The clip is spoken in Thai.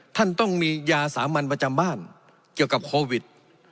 ท่านต้องมียาสามัญประจำบ้านเกี่ยวกับโควิด